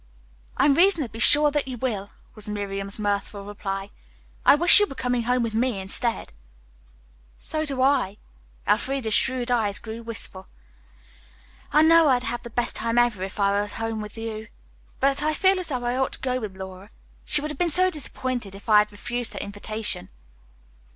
"I am reasonably sure that you will," was Miriam's mirthful reply. "I wish you were coming home with me, instead." "So do I." Elfreda's shrewd eyes grew wistful. "I know I'd have the best time ever if I went home with you, but I feel as though I ought to go with Laura. She would have been so disappointed if I had refused her invitation.